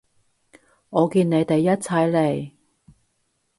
我見你哋一齊嚟